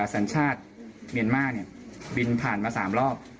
สัญชาติเมียนมาร์บินผ่านมา๓รอบ